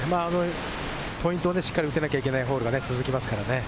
ポイントでしっかり打たなきゃいけないホールが続きますからね。